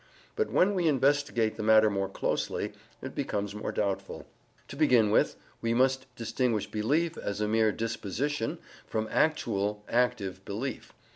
But when we investigate the matter more closely, it becomes more doubtful. To begin with, we must distinguish belief as a mere DISPOSITION from actual active belief.